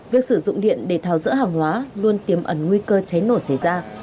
việc sử dụng điện để thảo giữa hàng hóa luôn tiềm ẩn nguy cơ cháy nổ xảy ra